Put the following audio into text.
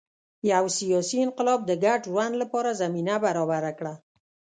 یو سیاسي انقلاب د ګډ ژوند لپاره زمینه برابره کړه.